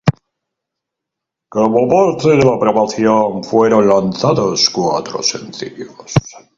Como parte de la promoción fueron lanzados cuatro sencillos.